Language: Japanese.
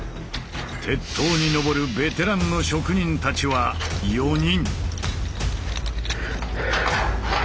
鉄塔にのぼるベテランの職人たちは４人。